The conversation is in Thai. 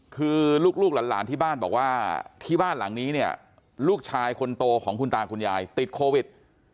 คือลูกหลานที่บ้านบอกว่าที่บ้านหลังนี้เนี่ยลูกชายคนโตของคุณตาคุณยายติดโควิด